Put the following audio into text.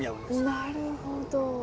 なるほど。